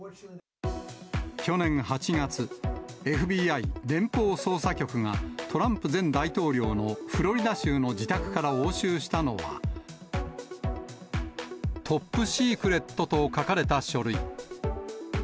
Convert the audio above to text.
去年８月、ＦＢＩ・連邦捜査局が、トランプ前大統領のフロリダ州の自宅から押収したのは、トップシークレットと書かれた書類。